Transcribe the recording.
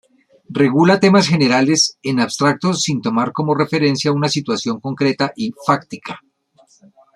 Regula temas generales, en abstracto sin tomar como referencia una situación concreta y fáctica.